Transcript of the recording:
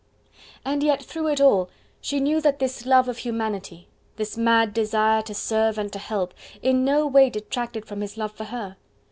And yet through it all she knew that this love of humanity, this mad desire to serve and to help, in no way detracted from his love for her.